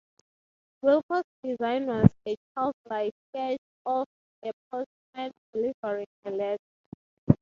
Wilcox's design was a child-like sketch of a postman delivering a letter.